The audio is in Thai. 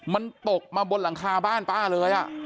มันตกมาบนหลังคาบ้านป้าเลย